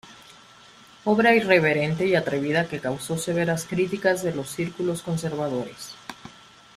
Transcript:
Obra irreverente y atrevida que causó severas críticas de los círculos conservadores.